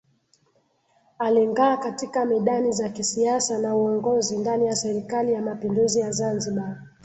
Alingaa katika medani za kisiasa na uongozi ndani ya Serikali ya Mapinduzi ya Zanzibar